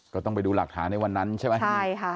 ก็ต้องไปดูหลักฐานในวันนั้นใช่ไหมใช่ค่ะ